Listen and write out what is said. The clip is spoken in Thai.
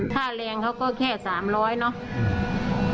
ค่าแรงเขาก็แค่๓๐๐ทุกชีพ